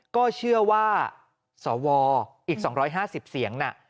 ก็เชื่อว่าสวอีก๒๕๐เสียงน่ะ